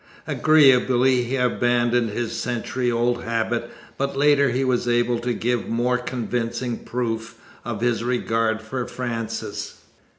Agreeably he abandoned his century old habit, but later he was able to give more convincing proof of his regard for Frances.